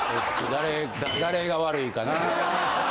誰誰が悪いかな？